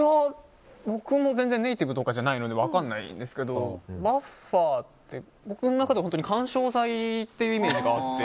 僕も全然ネイティブとかじゃないので分からないんですけどバッファって僕の中では本当に緩衝材ってイメージがあって。